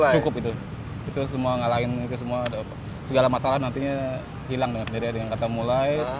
cukup itu itu semua ngalahin itu semua segala masalah nantinya hilang dengan sendiri ada yang kata mulai